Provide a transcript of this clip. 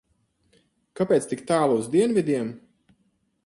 Kāpēc tik tālu uz dienvidiem?